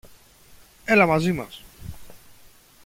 Έλα μαζί μας.